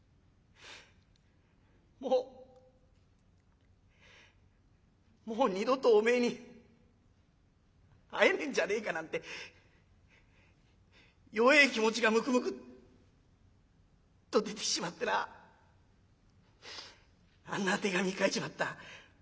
もうもう二度とおめえに会えねえんじゃねえかなんて弱え気持ちがむくむくっと出てきちまってなあんな手紙書いちまった。